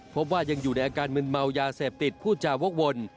พบว่ายังอยู่ในอาการมึนเมายาเสพติดพูดจาวกวน